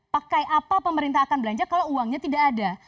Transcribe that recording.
pakai apa pemerintah akan belanja kalau uangnya tidak ada